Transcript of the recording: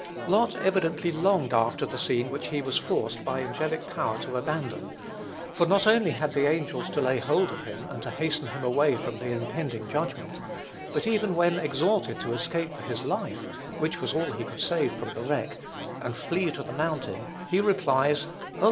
Lot evidently longed after the scene which he was forced by angelic power to abandon; for not only had the angels to lay hold of him and hasten him away from the impending judgment, but even when exhorted to escape for his life (which was all he could save from the wreck) and flee to the mountain, he replies, "Oh!